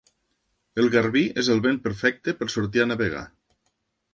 El Garbí és el vent perfecte per sortir a navegar.